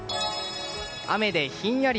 雨でひんやり。